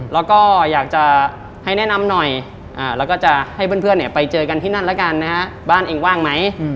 แล้วก็อยากจะให้แนะนำหน่อยแล้วก็จะให้เพื่อนไปเจอกันที่นั่นแล้วกันนะฮะบ้านเองว่างไหม